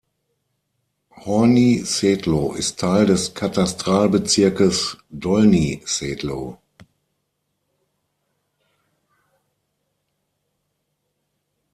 Horní Sedlo ist Teil des Katastralbezirkes Dolní Sedlo.